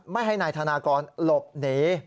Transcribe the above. ไม่ให้นายธนากรหลบหนี